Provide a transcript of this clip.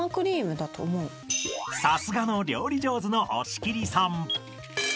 ［さすがの料理上手の押切さん］